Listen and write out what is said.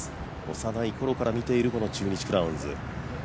幼いころから見ているこの中日クラウンズ。